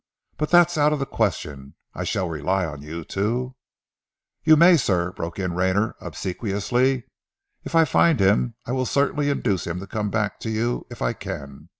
But that's out of the question. I shall rely on you to " "You may, sir," broke in Rayner obsequiously. "If I find him, I will certainly induce him to come back to you, if I can.